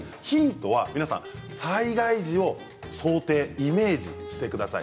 ヒントは災害時を想定、イメージしてください。